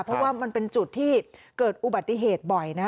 เพราะว่ามันเป็นจุดที่เกิดอุบัติเหตุบ่อยนะ